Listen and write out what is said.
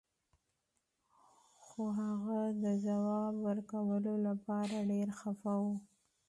خو هغه د ځواب ورکولو لپاره ډیر خفه و